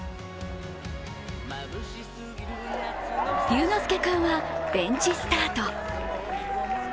龍之介君はベンチスタート。